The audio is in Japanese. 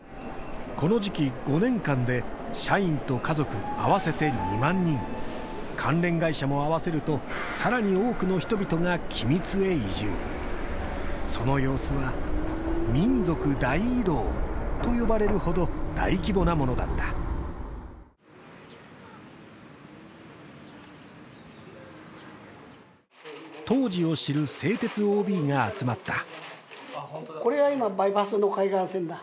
この時期５年間で社員と家族合わせて２万人関連会社も合わせるとさらに多くの人々が君津へ移住その様子は民族大移動と呼ばれるほど大規模なものだった当時を知る製鉄ＯＢが集まったこれは今バイパスの海岸線だ